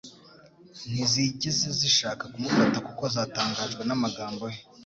ntizigeze zishaka kumufata kuko zatangajwe n'amagambo ye.